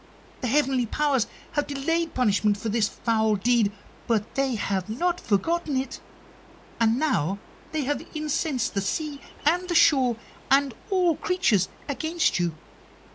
The heavenly powers have delayed punishment for this foul deed, but they have not forgotten it, and now they have incensed the sea and the shore and all creatures against you.